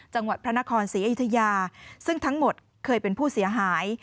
จังหวัดพระนครศรีอยุธยาซึ่งทั้งหมดเคยเป็นผู้เสียหาย